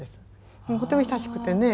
とても親しくてね。